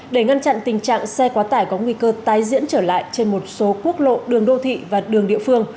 để ngăn chặn tình trạng xe quá tải có nguy cơ tái diễn trở lại trên một số quốc lộ đường đô thị và đường địa phương